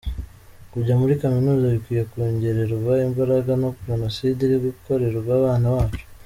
Kujya muri kaminuza bikwiye kongererwa imbaraga, ni jenoside iri gukorerwa abana bacu.